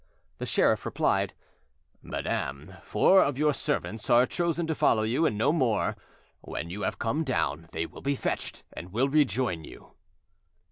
The sheriff replied, "Madam, four of your servants are chosen to follow you, and no more; when you have come down, they will be fetched, and will rejoin you."